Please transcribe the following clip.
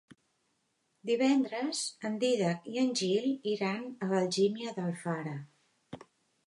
Divendres en Dídac i en Gil iran a Algímia d'Alfara.